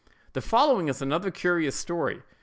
The following is another curious story.